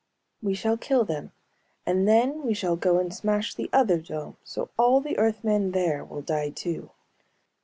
We shall kill them and then we shall go and smash the other dome so all the Earthmen there will die too.